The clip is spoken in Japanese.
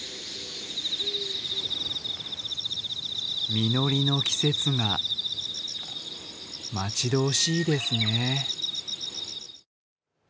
実りの季節が待ち遠しいですね。